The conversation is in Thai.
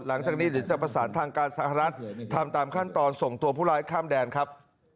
หลังจากนี้เดี๋ยวจะประสานทางการสหรัฐทำตามขั้นตอนส่งตัวผู้ร้ายข้ามแดนครับ